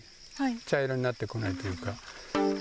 茶色になってこないというか。